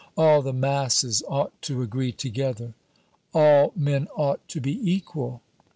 All the masses ought to agree together." "All men ought to be equal."